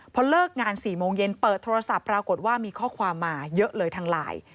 พอเลิกงาน๔โมงเย็นเปิดโทรศัพท์ปรากฏว่ามีข้อความมาเยอะเลยทางไลน์